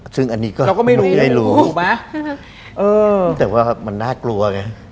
ซึ่งอันนี้ก็ไม่ได้รู้แต่ว่ามันน่ากลัวไง